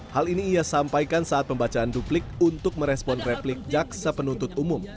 hal ini ia sampaikan saat pembacaan duplik untuk merespon replik jaksa penuntut umum